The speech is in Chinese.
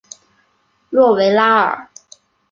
诺维拉尔。